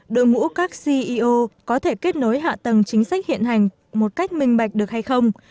đội ngũ các ceo có thể kết nối hạ tầng chính sách hiện hành một cách minh bạch được hay không